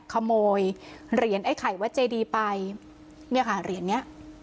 ขโมยเหรียญไอ้ไข่วัดเจดีไปเนี่ยค่ะเหรียญเนี้ย